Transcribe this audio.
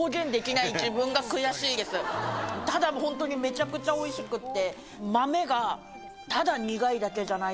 ただホントにめちゃくちゃおいしくって。